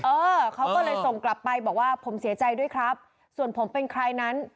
เออเขาก็เลยส่งกลับไปบอกว่าผมเสียใจด้วยครับส่วนผมเป็นใครนั้น